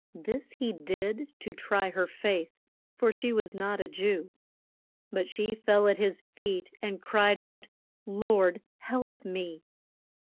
This he did to try her faith, for she was not a Jew. But she fell at his feet, and cried out, Lord help me!